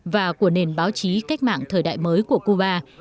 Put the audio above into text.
và của nền báo chí cách mạng thời đại mới của cuba